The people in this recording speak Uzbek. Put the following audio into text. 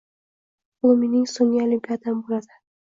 Bu mening so‘nggi Olimpiadam bo‘ladi.